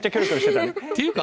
っていうか